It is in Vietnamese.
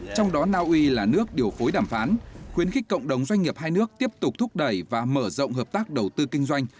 trong đó naui là nước điều phối đàm phán khuyến khích cộng đồng doanh nghiệp hai nước tiếp tục thúc đẩy và mở rộng hợp tác đầu tư kinh doanh